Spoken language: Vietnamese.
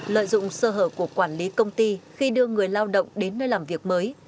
lợi dụng sơ hở của quản lý công ty khi đưa người lao động đến nơi làm việc mới